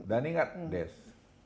dan ingat des